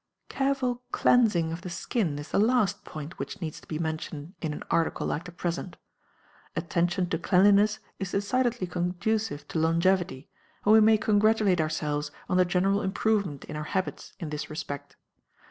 Careful cleansing of the skin is the last point which needs to be mentioned in an article like the present. Attention to cleanliness is decidedly conducive to longevity, and we may congratulate ourselves on the general improvement in our habits in this respect.